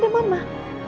mas mam pak pak pak